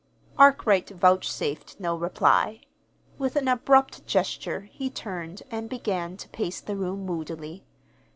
Arkwright vouchsafed no reply. With an abrupt gesture he turned and began to pace the room moodily.